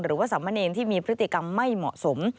หรือว่าสามะเนงที่มีพฤติกรรมไม่เหมาะสม